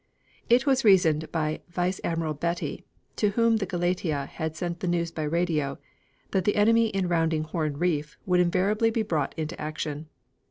It was reasoned by Vice Admiral Beatty, to whom the Galatea had sent the news by radio, that the enemy in rounding Horn Reef would inevitably be brought into action.